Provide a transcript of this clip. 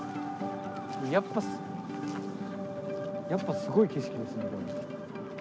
やっぱやっぱすごい景色ですねこれ。